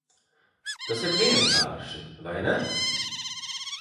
Tas ir vienkārši, vai ne?